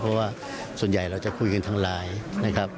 เพราะว่าส่วนใหญ่เราจะคุยกันทางไลน์นะครับ